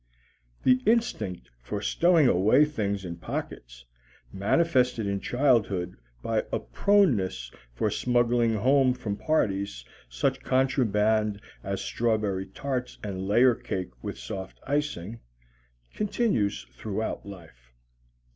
The instinct for stowing away things in pockets, manifested in childhood by a proneness for smuggling home from parties such contraband as strawberry tarts and layer cake with soft icing, continues throughout life.